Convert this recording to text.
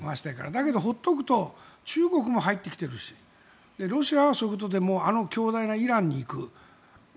だけど、放っておくと中国も入ってくるしロシアはそういうことでもあの強大なイランへ行く。